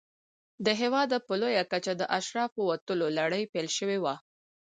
له هېواده په لویه کچه د اشرافو وتلو لړۍ پیل شوې وه.